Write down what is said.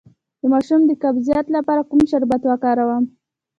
د ماشوم د قبضیت لپاره کوم شربت وکاروم؟